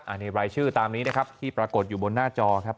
อันนี้รายชื่อตามนี้นะครับที่ปรากฏอยู่บนหน้าจอครับ